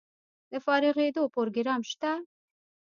د فارغیدو پروګرام شته؟